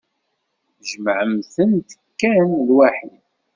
Jemɛemt-tent kan lwaḥid.